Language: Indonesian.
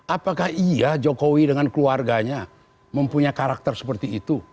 apakah iya jokowi dengan keluarganya mempunyai karakter seperti itu